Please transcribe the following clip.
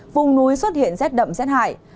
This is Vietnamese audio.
vùng núi xuất hiện rét đậm rét hại